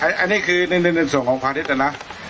อันนี้คือในส่วนของพระอาทิตย์นะครับ